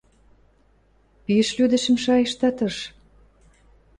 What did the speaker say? – Пиш лӱдӹшӹм шайыштатыш...